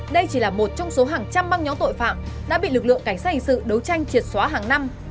đây chỉ là một trong số hàng trăm băng nhóm tội phạm đã bị lực lượng cảnh sát hình sự đấu tranh triệt xóa hàng năm